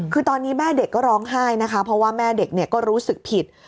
คือตอนนี้แม่เด็กก็ร้องไห้นะคะเพราะว่าแม่เด็กก็รู้สึกผิด